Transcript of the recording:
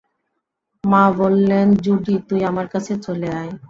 মা বললেন, জুডি, তুই আমার কাছে চলে আয়।